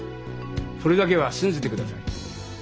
それだけは信じてください。